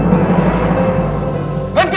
aku sudah hancur angelie